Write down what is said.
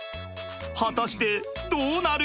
果たしてどうなる！？